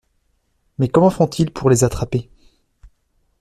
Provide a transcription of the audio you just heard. Mais comment font-ils pour les attraper?